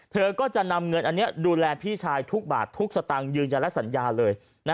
เธอก็จะนำเงินอันนี้ดูแลพี่ชายทุกบาททุกสตางค์ยืนยันและสัญญาเลย